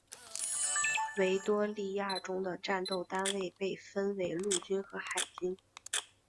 维多利亚中的战斗单位被分为陆军和海军。